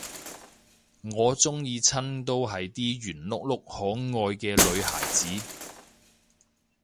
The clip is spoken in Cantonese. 我鍾意親都係啲圓碌碌可愛嘅女孩子